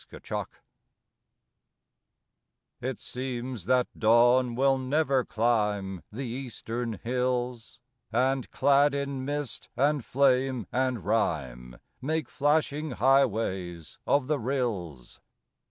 INSOMNIA It seems that dawn will never climb The eastern hills; And, clad in mist and flame and rime, Make flashing highways of the rills.